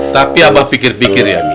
tapi abah pikir pikir ya